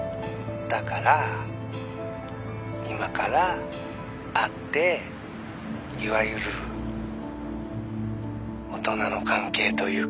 「だから今から会っていわゆる大人の関係というか」